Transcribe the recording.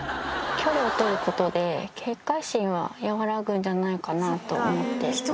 距離を取ることで警戒心は和らぐんじゃないかなと思って。